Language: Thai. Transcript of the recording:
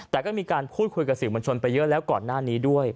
แต่ก็มีการพูดคุยกับสื่อมวลชนไปเยอะแล้วก่อนหน้านี้ด้วย